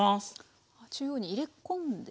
中央に入れ込んで。